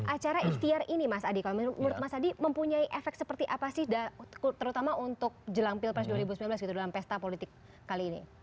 acara ikhtiar ini mas adi kalau menurut mas adi mempunyai efek seperti apa sih terutama untuk jelang pilpres dua ribu sembilan belas gitu dalam pesta politik kali ini